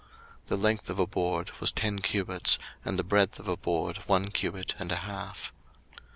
02:036:021 The length of a board was ten cubits, and the breadth of a board one cubit and a half.